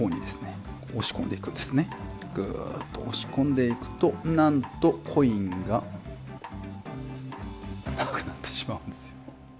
ぐと押し込んでいくとなんとコインがなくなってしまうんですよ。